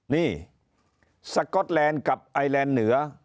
นี่สก๊อตแลนด์กับไอแลนด์เหนือ